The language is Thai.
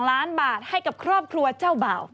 ล้านบาทให้กับครอบครัวเจ้าบ่าว